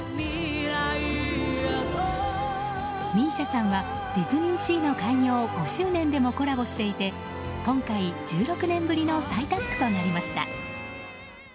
ＭＩＳＩＡさんはディズニーシーの開業５周年でもコラボしていて今回、１６年ぶりの再タッグとなりました。